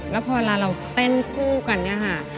แล้วพอเวลาเราเต้นคู่กันเนี่ยค่ะ